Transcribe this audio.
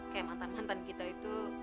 kayak mantan mantan kita itu